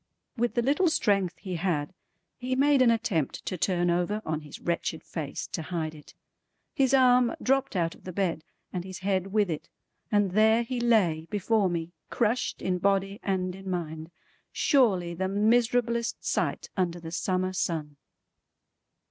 With the little strength he had, he made an attempt to turn over on his wretched face to hide it. His arm dropped out of the bed and his head with it, and there he lay before me crushed in body and in mind. Surely the miserablest sight under the summer sun!